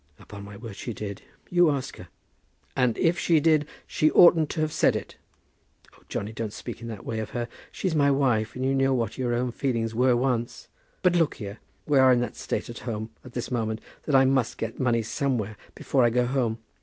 "Upon my word she did. You ask her." "And if she did, she oughtn't to have said it." "Oh, Johnny, don't speak in that way of her. She's my wife, and you know what your own feelings were once. But look here, we are in that state at home at this moment, that I must get money somewhere before I go home.